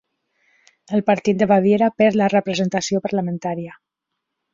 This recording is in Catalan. El Partit de Baviera perd la representació parlamentària.